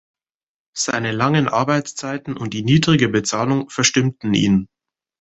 Seine langen Arbeitszeiten und die niedrige Bezahlung verstimmten ihn.